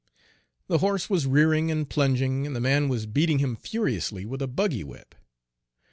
The horse was rearing and plunging, and the man was beating him furiously with a buggy whip.